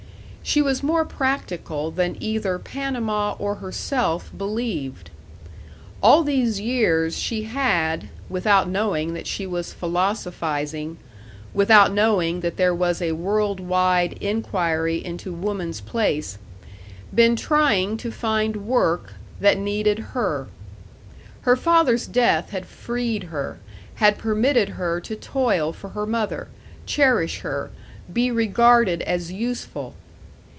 She was more practical than either Panama or herself believed. All these years she had, without knowing that she was philosophizing, without knowing that there was a world wide inquiry into woman's place, been trying to find work that needed her. Her father's death had freed her; had permitted her to toil for her mother, cherish her, be regarded as useful.